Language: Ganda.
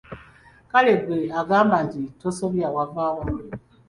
Kale ggwe agamba nti tosobya wava wa?